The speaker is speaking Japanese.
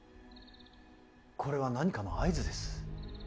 これは何かの合図です。